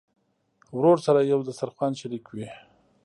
ورور سره یو دسترخوان شریک وي.